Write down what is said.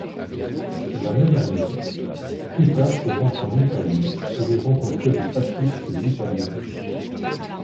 La même année, Tuka se rend en Italie pour y rencontrer des fascistes italiens.